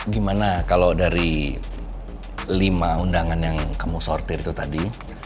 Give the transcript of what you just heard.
gimana kalau dari lima undangan yang kamu sortir itu tadi